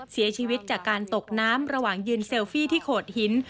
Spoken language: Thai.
เสียชีวิตจากการตกน้ำระหว่างยืนเซลฟี่ที่โขดหิน